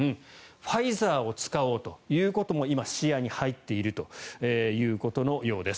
ファイザーを使おうということも今、視野に入っているということのようです。